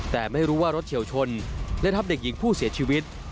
แต่ไม่รู้ว่ารถเฉียวชนและทับเด็กหญิงผู้เสียชีวิต